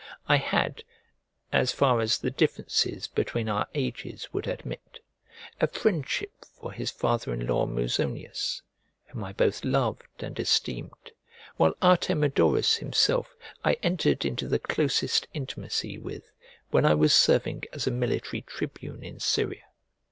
I had, as far as the differences between our ages would admit, a friendship for his father in law Musonius, whom I both loved and esteemed, while Artemidorus himself I entered into the closest intimacy with when I was serving as a military tribune in Syria.